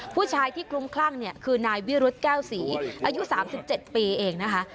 ผู้ชายที่คลุ้มคลั่งเนี่ยคือนายวิรุธแก้วศรีอายุ๓๗ปีเองนะคะ